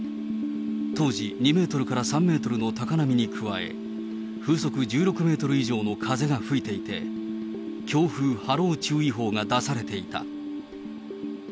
当時、２メートルから３メートルの高波に加え、風速１６メートル以上の風が吹いていて、強風波浪注意報が出されていた。